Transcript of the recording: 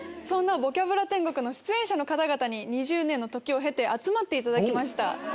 そんな『ボキャブラ天国』の出演者の方々に２０年の時を経て集まっていただきました。